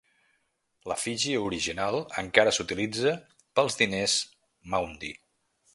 L'efígie original encara s'utilitza pels diners maundy.